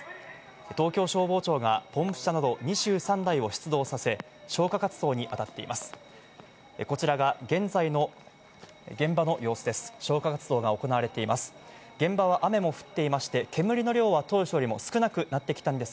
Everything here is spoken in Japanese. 東京消防庁がポンプ車など２３台を出動させ、消火活動にあたっています。